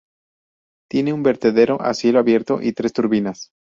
Tiene un vertedero a cielo abierto y tres turbinas.